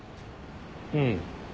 うん。